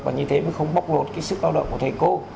và như thế mới không bóc lột cái sức lao động của thầy cô